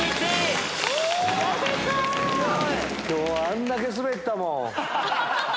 今日あんだけスベったもん。